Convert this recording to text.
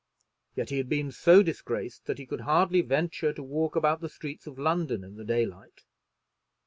Yet he had been so disgraced that he could hardly venture to walk about the streets of London in the daylight.